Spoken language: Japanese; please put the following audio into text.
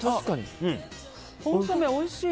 コンソメおいしい。